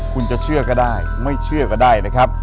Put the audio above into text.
คุณจะเชื่อก็ได้ไม่เชื่อก็ได้นะครับ